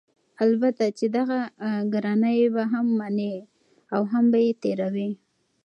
البته چې دغه ګرانی به هم مني او هم به یې تېروي؛